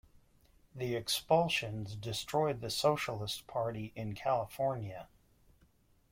The expulsions destroyed the Socialist party in California.